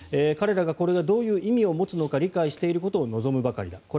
彼らがこれがどういう意味を持つのか理解していることを望むばかりだ